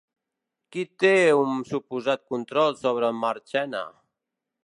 Qui té un suposat control sobre Marchena?